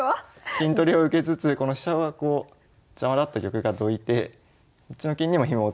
金取りを受けつつこの飛車はこう邪魔だった玉がどいてこっちの金にもヒモをつけてるという。